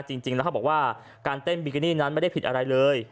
จริงแล้วเขาบอกว่าการเต้นบิกินี่นั้นไม่ได้ผิดอะไรเลย